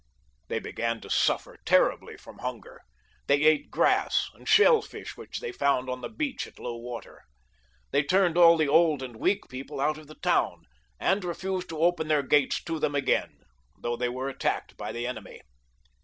They begc^i to suffer terribly from hunger ; they ate grass anii shell fish which they found on the beach at low water ; they turned all the old and weak people out of the^town, and refused to open their gates to them again, though they were attacked by the enemy.